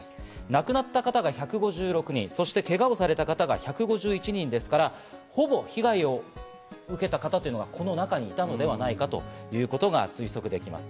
亡くなった方が１５６人、そしてけがをされた方が１５１人ですから、ほぼ被害を受けた方がこの中にいたのではないかということが推測できます。